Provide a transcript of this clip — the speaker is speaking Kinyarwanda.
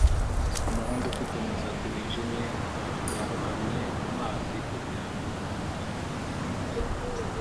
Umuhungu ufite umusatsi wijimye yarohamye mumazi kugirango umuntu abone umutwe gusa